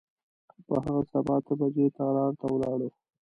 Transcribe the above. په هغه سبا اته بجې تالار ته ولاړو.